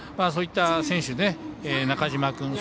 そういった選手、中嶋君。